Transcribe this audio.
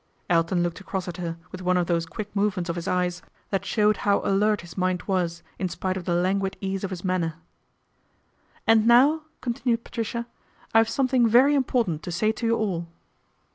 Elton looked across at her with one of those quick movements of his eyes that showed who 308 PATRICIA BRENT, SPINSTER alert his mind was, in spite of the languid ease of his manner. " And now," continued Patricia, " I have some thing very important to say to you all."